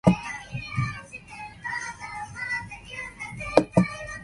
Charles explains the context for the music and carries out interviews with guest musicians.